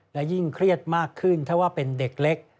และยิ่งเครียดมากขึ้นถ้าว่าเป็นเด็กเล็ก